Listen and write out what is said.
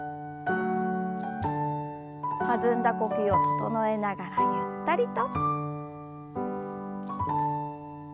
弾んだ呼吸を整えながらゆったりと。